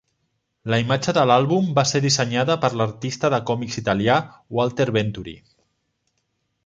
La imatge de l'àlbum va ser dissenyada per l'artista de còmics italià Walter Venturi.